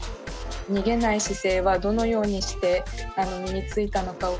逃げない姿勢はどのようにして身についたのかを。